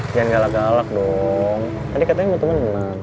jangan galak galak dong tadi katanya mau temen